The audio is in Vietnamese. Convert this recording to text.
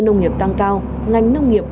nông nghiệp tăng cao ngành nông nghiệp